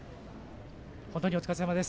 本当にお疲れさまです。